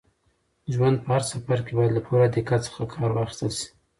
د ژوند په هر سفر کې باید له پوره دقت څخه کار واخیستل شي.